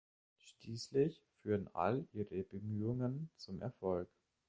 Schließlich führen all ihre Bemühungen zum Erfolg.